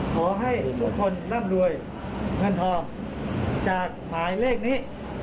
ขอให้ทุกคนร่ำรวยเงินทองจากหมายเลขนี้